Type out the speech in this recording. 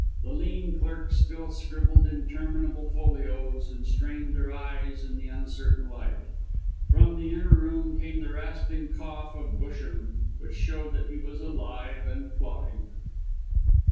The lean clerks still scribbled interminable folios, and strained their eyes in the uncertain light. From the inner room came the rasping cough of Busham, which showed that he was alive and plotting.